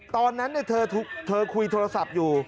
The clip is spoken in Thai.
ตอนนั้นเธอคุยโทรศัพท์อยู่